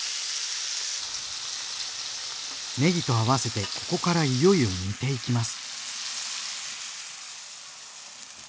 ねぎと合わせてここからいよいよ煮ていきます。